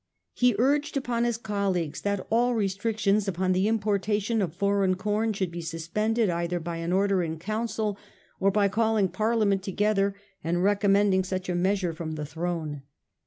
He urged upon his colleagues that all restric tions upon the importation of foreign com should be suspended either by an Order in Council, or by call ing Parliament together and recommending such a measure from the throne.